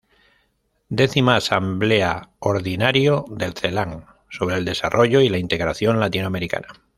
X Asamblea Ordinario del Celam sobre el desarrollo y la integración latinoamericana.